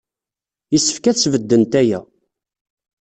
Yessefk ad sbeddent aya.